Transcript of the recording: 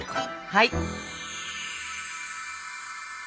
はい。